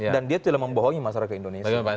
dan dia telah membohongi masyarakat indonesia